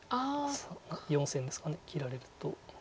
４線ですか切られると。